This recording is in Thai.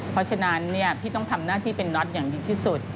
เพราะฉะนั้นพี่ต้องทำหน้าที่เป็นน็อตอย่างดีที่สุด